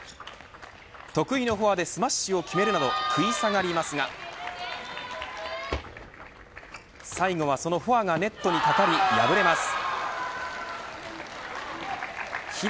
得意のフォアでスマッシュを決めるなど食い下がりますが最後は、そのフォアがネットにかかり敗れます。